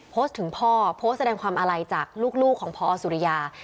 โพสต์ถึงพ่อโพสต์แสดงความอาลัยจากลูกของพอสุริยา